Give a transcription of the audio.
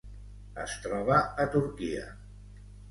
Es troba a Turquia.